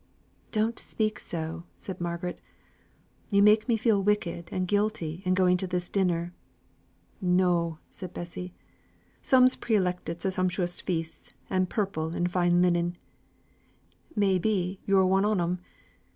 "Don't speak so!" said Margaret. "You'll make me feel wicked and guilty in going to this dinner." "No!" said Bessy. "Some's pre elected to sumptuous feasts, and purple and fine linen, may be yo're one on 'em.